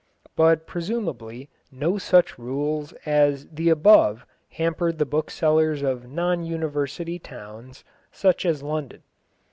But presumably no such rules as the above hampered the booksellers of non university towns, such as London.